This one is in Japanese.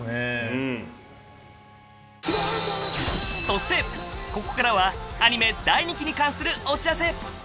そしてココからはアニメ第２期に関するお知らせ